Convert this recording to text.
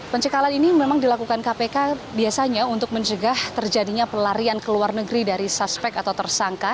pencekalan ini memang dilakukan kpk biasanya untuk mencegah terjadinya pelarian ke luar negeri dari suspek atau tersangka